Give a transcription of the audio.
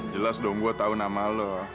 jelas dong gua tau nama lo